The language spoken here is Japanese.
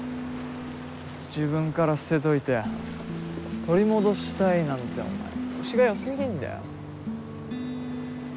自分から捨てといて取り戻したいなんてお前虫がよすぎんだよ。